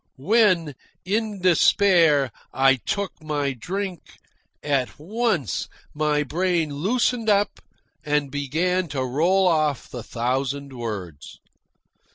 When, in despair, I took my drink, at once my brain loosened up and began to roll off the thousand words.